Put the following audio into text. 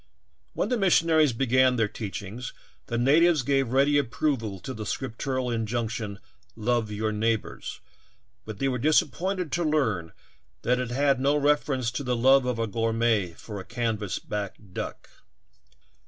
When the missionaries began their teachings the natives gave ready approval to the scriptural injunction ''love your enemies," but they were disappointed to learn that it had no reference to the love of a gourmet for a canvas back duck.